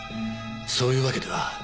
そういうわけでは。